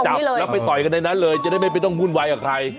จับแล้วไปต่อยกันในนั้นเลยจะได้ไม่ต้องวุ่นวายกับใคร